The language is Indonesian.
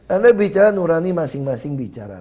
anda bicaralah nurani masing masing